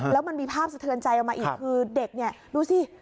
แล้วมันมีภาพสะเทือนใจออกมาอีกคือเด็กเนี่ยดูสิ